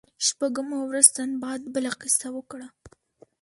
شپږمه ورځ سنباد بله کیسه وکړه.